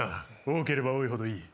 多ければ多いほどいい。